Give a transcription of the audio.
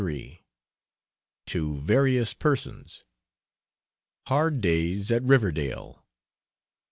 TO VARIOUS PERSONS. HARD DAYS AT RIVERDALE.